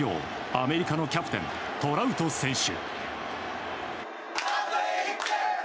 アメリカのキャプテントラウト選手。